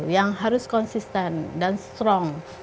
yang harus konsisten dan strong